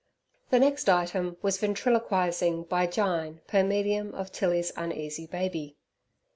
The next item was ventriloquizing by Jyne per medium of Tilly's uneasy baby.